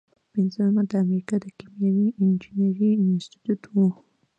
پنځمه د امریکا د کیمیاوي انجینری انسټیټیوټ و.